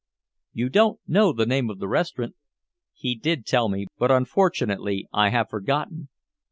"You don't know the name of the restaurant?" "He did tell me, but unfortunately I have forgotten."